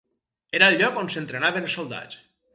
Era el lloc on s'entrenaven els soldats.